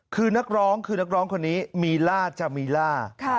คือนักร้องคือนักร้องคนนี้มีล่าจามีล่า